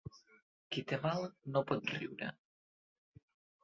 Qui té mal no pot riure.